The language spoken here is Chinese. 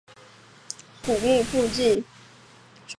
古坟附近是较这批古坟的规模再小一些的大野田古坟群。